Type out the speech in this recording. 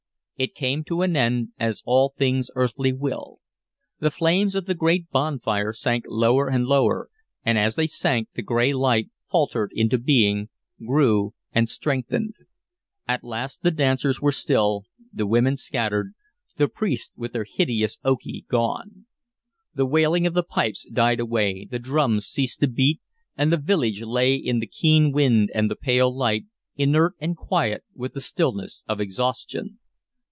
It came to an end, as all things earthly will. The flames of the great bonfire sank lower and lower, and as they sank the gray light faltered into being, grew, and strengthened. At last the dancers were still, the women scattered, the priests with their hideous Okee gone. The wailing of the pipes died away, the drums ceased to beat, and the village lay in the keen wind and the pale light, inert and quiet with the stillness of exhaustion.